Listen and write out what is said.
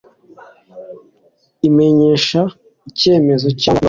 Imenyesha icyemezo cyangwa ibaruwa